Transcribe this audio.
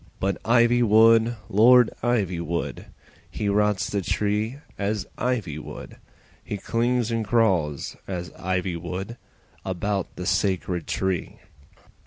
But Ivywood, Lord Ivywood, He rots the tree as ivy would, He clings and crawls as ivy would About the sacred tree.